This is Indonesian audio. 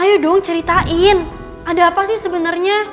ayo dong ceritain ada apa sih sebenarnya